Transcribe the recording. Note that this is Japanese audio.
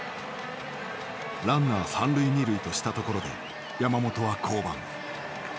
ランナー三塁二塁としたところで山本は降板。